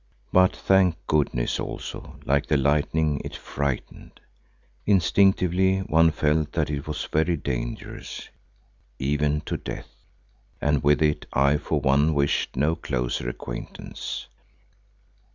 But thank goodness, also like the lightning it frightened; instinctively one felt that it was very dangerous, even to death, and with it I for one wished no closer acquaintance.